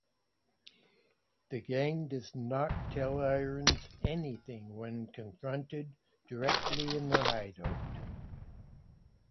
The gang does not tell Irons anything when confronted directly in their hideout.